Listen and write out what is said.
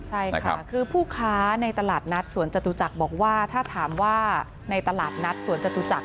ใช่ค่ะคือผู้ค้าในตลาดนัดสวนจตุจักรบอกว่าถ้าถามว่าในตลาดนัดสวนจตุจักร